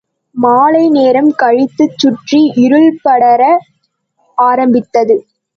மாலை நேரம் கழித்துச் சுற்றி இருள்படர ஆரம்பித்தது.